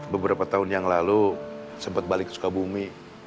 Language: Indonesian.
beberapa tahun yang lalu sempet balik sukabumi